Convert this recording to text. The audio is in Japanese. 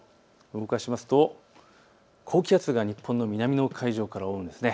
動かしますと高気圧が日本の南の海上を覆うんです。